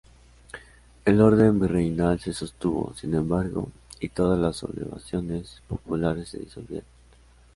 El orden virreinal se sostuvo, sin embargo, y todas las sublevaciones populares se disolvieron.